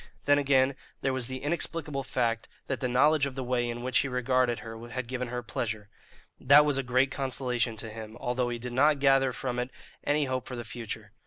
Then, again, there was the inexplicable fact that the knowledge of the way in which he regarded her had given her pleasure; that was a great consolation to him, although he did not gather from it any hope for the future.